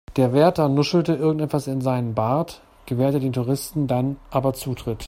Der Wärter nuschelte irgendwas in seinen Bart, gewährte den Touristen dann aber Zutritt.